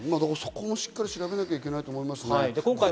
そこもしっかり調べなきゃいけないですね。